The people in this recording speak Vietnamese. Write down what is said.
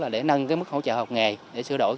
để nâng mức hỗ trợ học nghề để sửa đổi